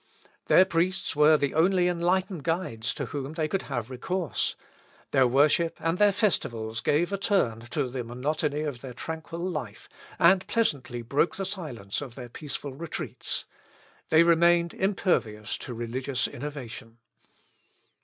Their priests were the only enlightened guides to whom they could have recourse. Their worship and their festivals gave a turn to the monotony of their tranquil life, and pleasantly broke the silence of their peaceful retreats. They remained impervious to religious innovation.